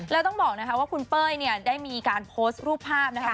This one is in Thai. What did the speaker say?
แล้วต้องบอกว่าคุณเป้ยได้มีการโพสต์รูปภาพนะคะ